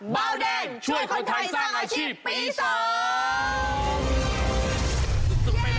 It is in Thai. เบาแดงช่วยคนไทยสร้างอาชีพปีสอง